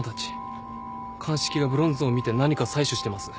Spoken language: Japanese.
鑑識がブロンズ像を見て何か採取してます。